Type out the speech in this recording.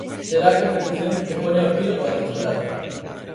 Será a competición que poña o epílogo á temporada.